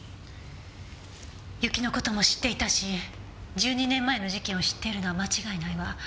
雪の事も知っていたし１２年前の事件を知っているのは間違いないわ。